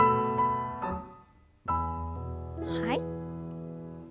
はい。